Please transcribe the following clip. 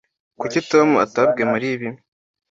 kuki tom atabwiye mariya ibi